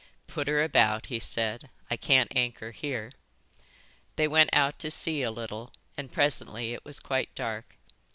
"Put her about," he said. "I can't anchor here." They went out to sea a little and presently it was quite dark.